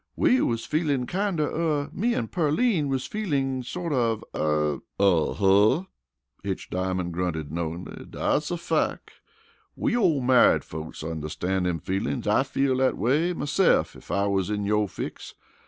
"We wus feelin' kinder er me an' Pearline wus feelin' sorter er " "Uh huh," Hitch Diamond grunted knowingly. "Dat's a fack. We ole married folks onderstan's dem feelin's. I'd feel dat way mese'f ef I wus in yo' fix.